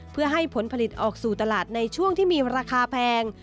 เพื่อให้ผลผลิตออกสู่ตลาดในช่วงที่มีราคาแพง